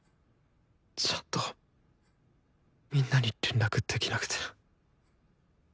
ちゃんとみんなに連絡できなくて。